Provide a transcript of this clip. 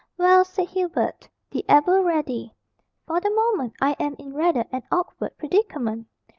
"Well," said Hubert, the ever ready, "for the moment I am in rather an awkward predicament."